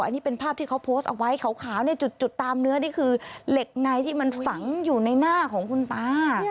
อันนี้เป็นภาพที่เขาโพสต์เอาไว้ขาวในจุดตามเนื้อนี่คือเหล็กในที่มันฝังอยู่ในหน้าของคุณตา